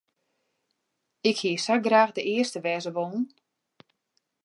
Ik hie sa graach de earste wêze wollen.